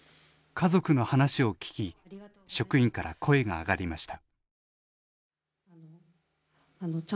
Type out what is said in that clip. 家族の話を聞き職員から声が上がりました。